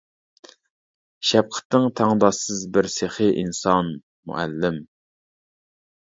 شەپقىتىڭ تەڭداشسىز بىر سېخى ئىنسان مۇئەللىم!